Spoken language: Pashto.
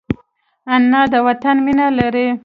انا د وطن مینه لري